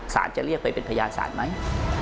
จะเรียกไปเป็นพยานศาลไหม